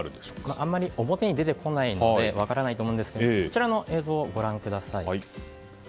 あまり表に出てこないので分からないと思いますがこちらの映像をご覧ください。